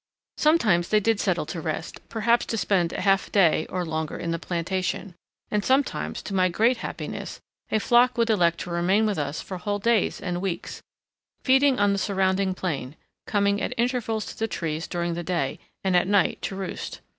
Sometimes they did settle to rest, perhaps to spend half a day or longer in the plantation; and sometimes, to my great happiness, a flock would elect to remain with us for whole days and weeks, feeding on the surrounding plain, coming at intervals to the trees during the day, and at night to roost.